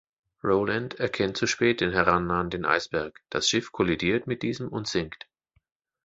Rowland erkennt zu spät den herannahenden Eisberg, das Schiff kollidiert mit diesem und sinkt.